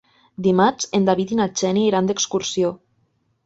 Dimarts en David i na Xènia iran d'excursió.